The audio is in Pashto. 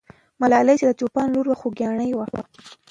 ملالۍ چې د چوپان لور وه، خوګیاڼۍ وه.